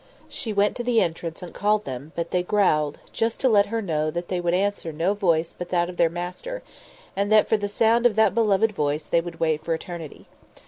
She went to the entrance and called them, but they growled, just to let her know that they would answer no voice but that of their master, and that for the sound of that beloved voice they would wait for eternity.